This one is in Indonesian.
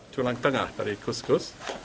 tulang tengah dari kuskus